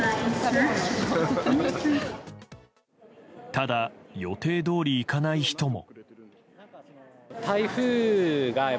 ただ予定どおりいかない人も。